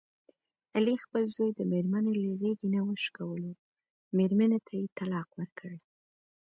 علي خپل زوی د مېرمني له غېږې نه وشکولو، مېرمنې ته یې طلاق ورکړ.